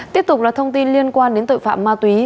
tiếp tục là thông tin liên quan đến tội phạm ma túy